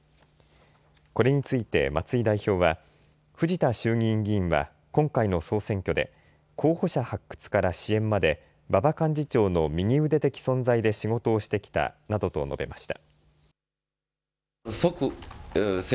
これについて松井代表は藤田衆議院議員は今回の総選挙で候補者発掘から支援まで馬場幹事長の右腕的存在で仕事をしてきたなどと述べました。